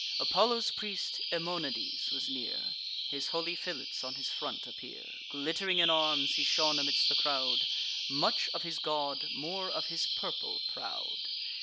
Apollo's priest, Emonides, was near; His holy fillets on his front appear; Glitt'ring in arms, he shone amidst the crowd; Much of his god, more of his purple, proud.